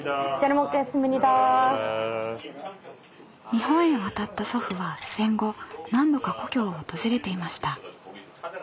日本へ渡った祖父は戦後何度か故郷を訪れていました。